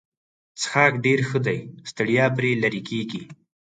څښاک ډېر ښه دی ستړیا پرې لیرې کیږي.